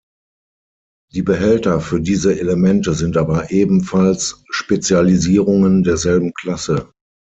Die Behälter für diese Elemente sind aber ebenfalls Spezialisierungen derselben Klasse.